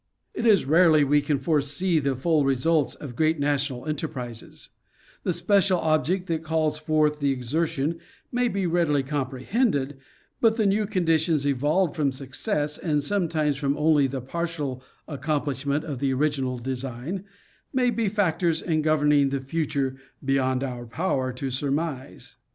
It is rarely we can foresee the full results of great national enterprises ; the special object that calls forth the exertion may be readily comprehended, but the new conditions evolved from success, and sometimes from only the partial accomplishment of the original design, may be factors in governing the future be yond our power to surmise.